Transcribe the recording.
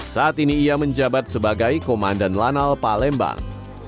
saat ini ia menjabat sebagai komandan lanal palembang